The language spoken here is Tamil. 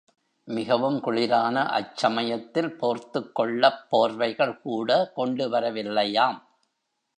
மிகவும் குளிரான அச் சமயத்தில் போர்த்துக் கொள்ளப் போர்வைகள் கூட கொண்டுவர வில்லையாம்.